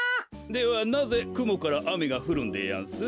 ではなぜくもからあめがふるんでやんす？